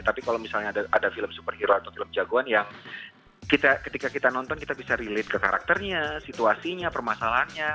tapi kalau misalnya ada film superhero atau film jagoan yang ketika kita nonton kita bisa relate ke karakternya situasinya permasalahannya